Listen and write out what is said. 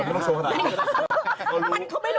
ไม่ต้องโชว์ขนาดนี้